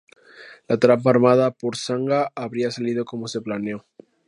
La trampa armada por Sangha habría salido como se planeó.